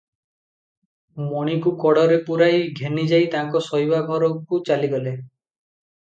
ମଣିକୁ କୋଡ଼ରେ ପୁରାଇ ଘେନିଯାଇ ତାଙ୍କ ଶୋଇବା ଘରକୁ ଚାଲିଗଲେ ।